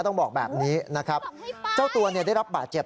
ต้องบอกแบบนี้นะครับเจ้าตัวเนี่ยได้รับบาดเจ็บ